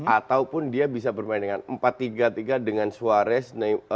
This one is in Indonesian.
ataupun dia bisa bermain dengan empat tiga tiga dengan suarez